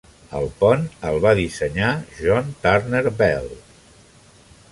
El pont el va dissenyar John Turner Bell.